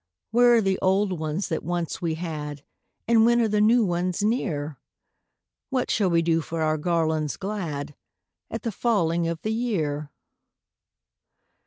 Where are the old ones that once we had, And when are the new ones near? What shall we do for our garlands glad At the falling of the year?"